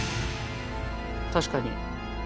確かに。